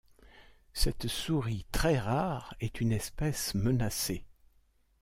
Cette souris très rare est une espèce menacée.